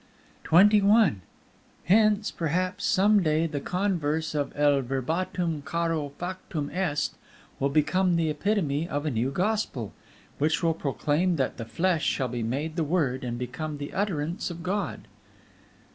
XXI Hence, perhaps, some day the converse of Et Verbum caro factum est will become the epitome of a new Gospel, which will proclaim that The Flesh shall be made the Word and become the Utterance of God.